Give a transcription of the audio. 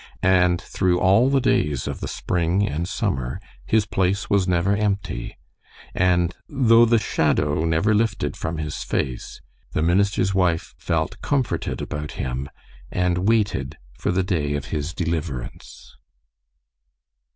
And through all the days of the spring and summer his place was never empty; and though the shadow never lifted from his face, the minister's wife felt comforted about him, and waited for the day of his deliverance.